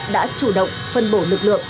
đã chủ động phân bổ lực lượng